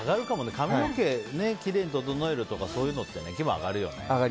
髪の毛をきれいに整えるとかそういうのって気分が上がるよね。